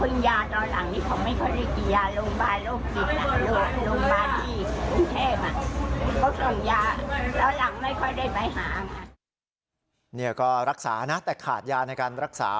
นี่คือการรักษาแต่ขาดยาในการรักษา